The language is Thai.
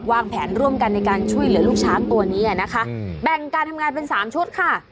วางแผนร่วมกันในการช่วยเหลือลูกช้างตัวนี้นะคะแบ่งการทำงานเป็นสามชุดค่ะ